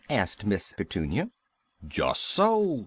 asked Miss Petunia. "Just so!"